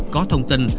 có thông tin